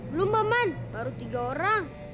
belum momen baru tiga orang